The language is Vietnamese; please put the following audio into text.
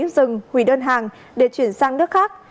dừng hủy đơn hàng để chuyển sang nước khác